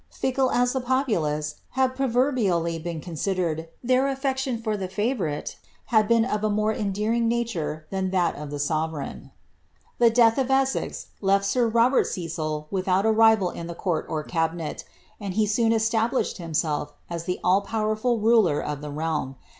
Fickle as the populace have proverbially been con sidered, their afleciion for the favourite had been of a more endorin^ nature than that of the sovereign. The death of Ejisejt left sir Robert Cecil without a rival in the coon or cabinet, and he soon established himself as the all powerful ruler of the realm.